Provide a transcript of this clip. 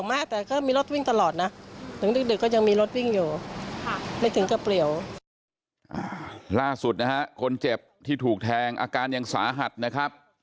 ล่าสุดนะฮะคนเจ็บที่ถูกแทงอาการยังสาหัสนะครับ